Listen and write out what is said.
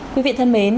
quý vị thân mến